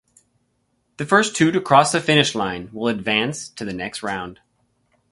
The first two to cross the finish line will advance to the next round.